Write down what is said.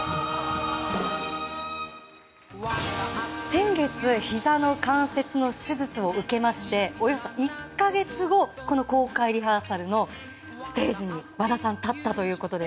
先月、ひざの関節の手術を受けましておよそ１か月後この公開リハーサルのステージに和田さん、立ったということで。